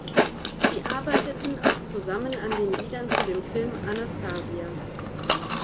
Sie arbeiteten auch zusammen an den Liedern zu dem Film Anastasia.